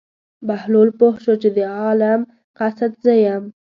بهلول پوه شو چې د عالم قصد زه یم.